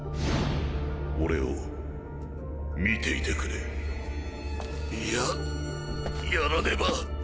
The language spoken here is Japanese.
俺を見ていてくれいや！やらねば！